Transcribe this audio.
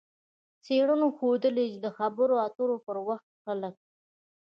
څېړنو ښودلې چې د خبرو اترو پر وخت خلک